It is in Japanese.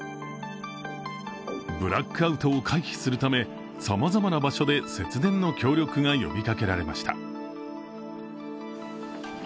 ブラックアウトを回避するためさまざまな場所で節電の協力が呼びかけられました。